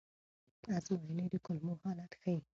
ازموینې د کولمو حالت ښيي.